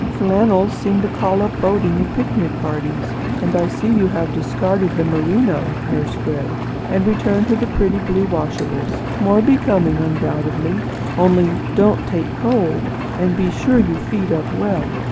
"Flannels seem to call up boating and picnic parties; and I see you have discarded the merino, Nurse Gray, and returned to the pretty blue washables. More becoming, undoubtedly; only, don't take cold; and be sure you feed up well.